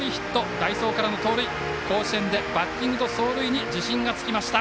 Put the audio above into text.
代走からの出塁で甲子園でバッティングと走塁に自信がつきました。